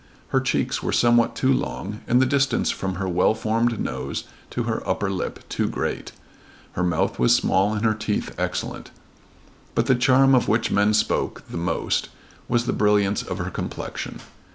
Her cheeks were somewhat too long and the distance from her well formed nose to her upper lip too great. Her mouth was small and her teeth excellent. But the charm of which men spoke the most was the brilliance of her complexion.